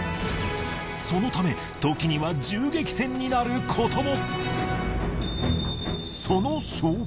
そのためときには銃撃戦になることも。